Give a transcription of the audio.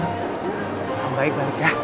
selamat balik balik ya